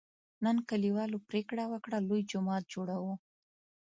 نن کلیوالو پرېکړه وکړه: لوی جومات جوړوو.